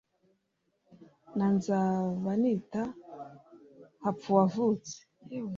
na nzabanita, hapfuwavutse,